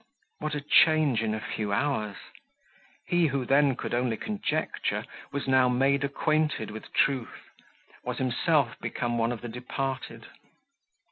What a change in a few hours! He, who then could only conjecture, was now made acquainted with truth; was himself become one of the departed!